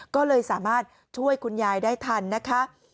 ก็เลยสามารถช่วยคุณยายได้ทันนะคะ